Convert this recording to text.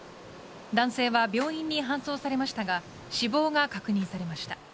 男性は病院に搬送されましたが死亡が確認されました。